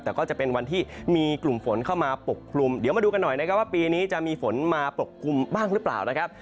แต่ก็จะเป็นวันที่มีกลุ่มฝนเข้ามาปกคลุมเดี๋ยวมาดูกันหน่อยนะครับว่าปีนี้จะมีฝนมาปกกลุ่มบ้างหรือเปล่านะครับ